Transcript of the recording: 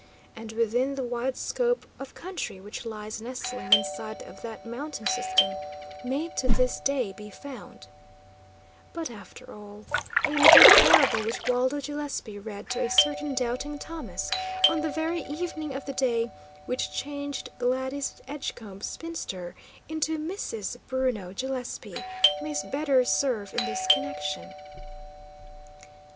And within the wide scope of country which lies nestling inside of that mountain system may to this day be found But, after all, a little parable which Waldo Gillespie read to a certain doubting Thomas, on the very evening of the day which changed Gladys Edgecombe, spinster, into Mrs. Bruno Gillespie, may better serve in this connection.